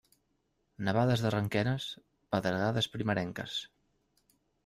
Nevades darrerenques, pedregades primerenques.